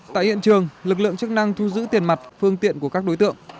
tại hiện trường lực lượng chức năng thu giữ tiền mặt phương tiện của các đối tượng